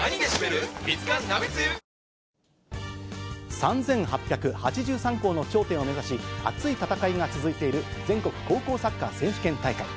３８８３校の頂点を目指し、熱い戦いが続いている全国高校サッカー選手権大会。